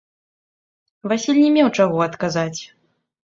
Васіль не меў чаго адказаць.